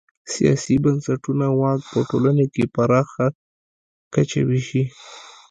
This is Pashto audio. سیاسي بنسټونه واک په ټولنه کې پراخه کچه وېشي.